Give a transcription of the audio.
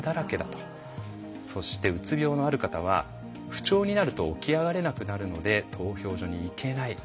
そしてうつ病のある方は「不調になると起き上がれなくなるので投票所に行けない」。